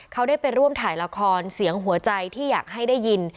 เขาได้ไปร่วมถ่ายละครเสียงหัวใจที่อยากให้ได้ยิน